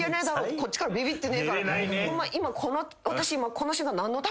こっちからビビってねえから。